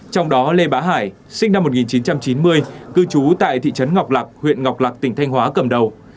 trong đó lê bá hải sinh năm một nghìn chín trăm chín mươi cư trú tại thị trấn ngọc lạc huyện ngọc lạc tỉnh thanh hóa cầm đầu